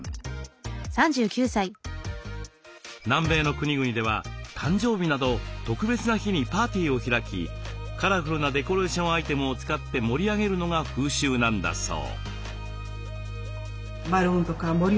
南米の国々では誕生日など特別な日にパーティーを開きカラフルなデコレーションアイテムを使って盛り上げるのが風習なんだそう。